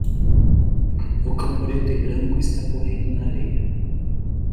Um cão preto e branco está correndo na areia.